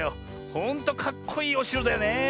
ほんとかっこいいおしろだよねえ